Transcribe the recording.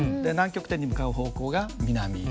南極点に向かう方向が南。